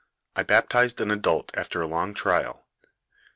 " I baptized an adult after a long trial.